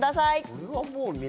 これはもう。